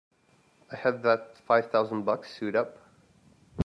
I had that five thousand bucks sewed up!